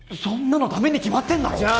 そんなのダメに決まってんだろ！